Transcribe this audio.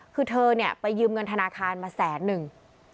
คือเธอเนี่ยไปยืมเงินธนาคารมาแสนนึง